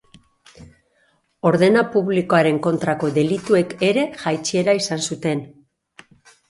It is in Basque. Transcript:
Ordena publikoaren kontrako delituek ere jaitsiera izan dute.